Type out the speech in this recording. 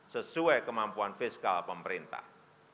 sesuai kemampuan fiskal pemerintah